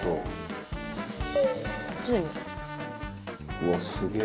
「うわっすげえ！」